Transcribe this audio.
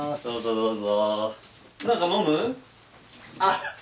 どうぞ。